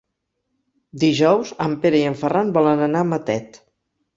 Dijous en Pere i en Ferran volen anar a Matet.